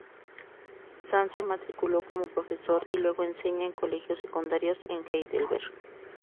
Zahn se matriculó como profesor y luego enseña en Colegios Secundarios en Heidelberg.